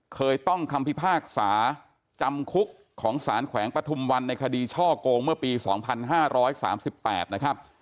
เคยต้องคำพิพากษาจำคุกของสารแขวงปฐุมวันในคดีช่อกงเมื่อปี๒๕๓๘นะครับ